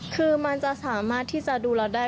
คือมันจะสามารถที่จะดูเราได้